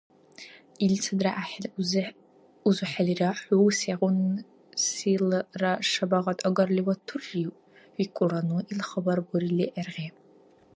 — Илцадра гӀяхӀил узухӀелира, хӀу сегъунсилра шабагъат агарли ватуррив? — викӀулра ну ил хабар бурили гӀергъи.